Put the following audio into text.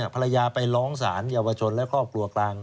ภรรยาไปร้องสารเยาวชนและครอบครัวกลาง